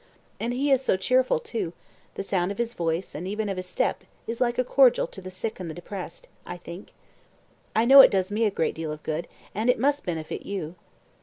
And he is cheerful, too; the sound of his voice, and even of his step, is like a cordial to the sick and the depressed, I think. I know it does me a great deal of good, and it must benefit you."